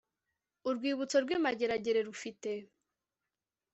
urwibutso rw i mageragere rufite